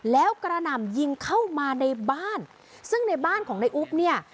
แล้วกระหน่ำยิงเข้ามาในบ้านซึ่งในบ้านของในอุ๊บเนี่ย